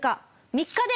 ３日で？